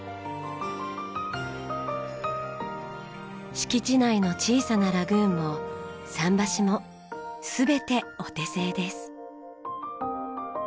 敷地内の小さなラグーンも桟橋も全てお手製です。